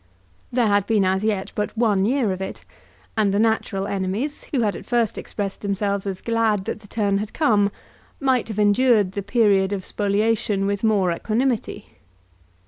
There had been as yet but one year of it, and the natural enemies, who had at first expressed themselves as glad that the turn had come, might have endured the period of spoliation with more equanimity.